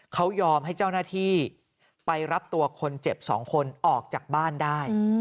เขายอมให้เจ้าหน้าที่ไปรับตัวคนเจ็บ๒คนออกจากบ้านได้